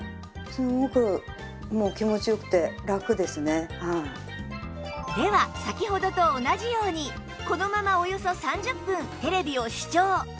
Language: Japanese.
続いてはでは先ほどと同じようにこのままおよそ３０分テレビを視聴